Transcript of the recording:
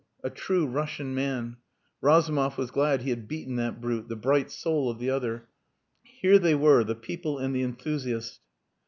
A true Russian man! Razumov was glad he had beaten that brute the "bright soul" of the other. Here they were: the people and the enthusiast.